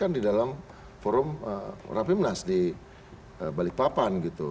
saya lihat di dalam forum rapi munas di balikpapan gitu